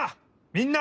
みんな！